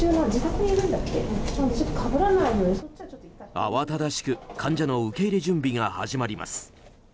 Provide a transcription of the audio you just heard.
慌ただしく患者の受け入れ準備が始まります。